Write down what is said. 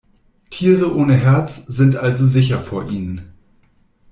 Tiere ohne Herz sind also sicher vor ihnen.